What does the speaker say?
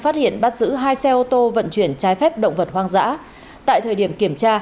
phát hiện bắt giữ hai xe ô tô vận chuyển trái phép động vật hoang dã tại thời điểm kiểm tra